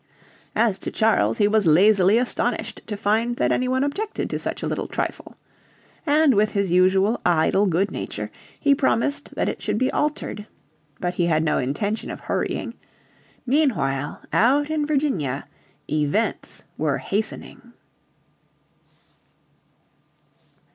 As to Charles, he was lazily astonished to find that any one objected to such a little trifle. And with his usual idle good nature he promised that it should be altered. But he had no intention of hurrying. Meanwhile out in Virginia events were hastening.